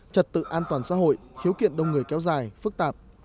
trật tự an toàn xã hội khiếu kiện đông người kéo dài phức tạp